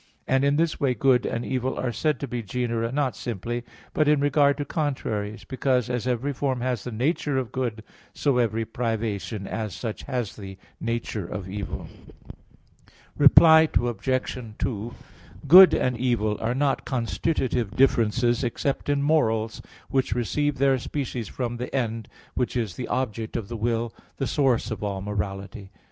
And in this way good and evil are said to be genera not simply, but in regard to contraries; because, as every form has the nature of good, so every privation, as such, has the nature of evil. Reply Obj. 2: Good and evil are not constitutive differences except in morals, which receive their species from the end, which is the object of the will, the source of all morality.